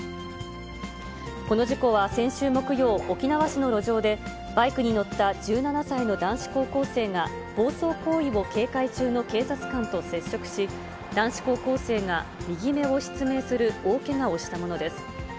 この事故は、先週木曜、沖縄市の路上で、バイクに乗った１７歳の男子高校生が、暴走行為を警戒中の警察官と接触し、男子高校生が右目を失明する大けがをしたものです。